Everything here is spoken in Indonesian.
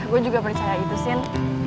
gue juga percaya gitu sin